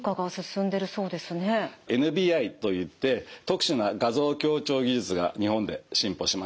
ＮＢＩといって特殊な画像強調技術が日本で進歩しました。